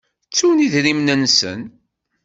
Ttun idrimen-nsen.